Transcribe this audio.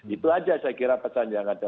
itu saja saya kira pesan yang ada